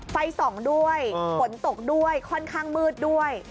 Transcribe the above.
ไฟส่องด้วยฝนตกด้วยค่อนข้างมืดด้วย